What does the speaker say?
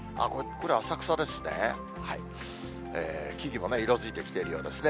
これ、浅草ですね。